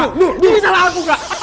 ini salah aku kak